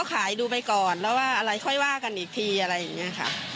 จะไหวไหมคิดว่าจะไหวไหมคุณแม่น